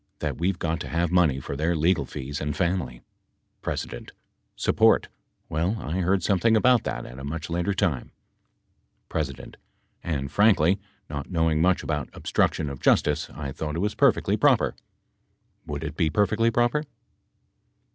That we've got to have money for their legal fees and family. P. Support. Well, I heard something about that at a much later time. P. And, frankly, not knowing much about obstruction of justice, I thought it was perfectly proper. P. Would it be perfectly proper?